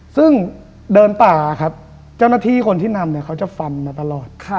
ซึ่งเดินป่าครับเจ้าหน้าที่คนที่นำเนี่ยเขาจะฟันมาตลอด